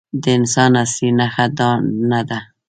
د انسان اصلي نښه دا نه ده.